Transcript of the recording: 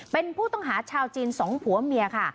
เป็นผู้ต้องหาชาวจีนสองผัวเมียค่ะ